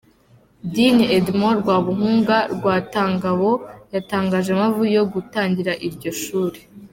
Digne Edmond Rwabuhungu Rwatangabo yatangaje impamvu yo gutangiza iryo shuri.